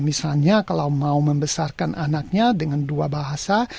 misalnya kalau mau membesarkan anaknya dengan dua bahasa